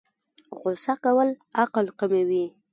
غوسه کول عقل کموي